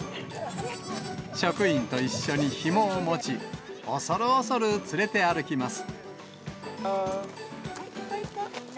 職員と一緒にひもを持ち、恐る恐る連れて歩きます。